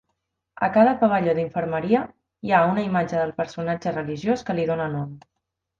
A cada pavelló d'infermeria hi ha una imatge del personatge religiós que li dóna nom.